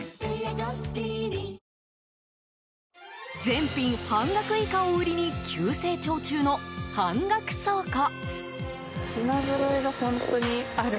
全品半額以下を売りに急成長中の半額倉庫。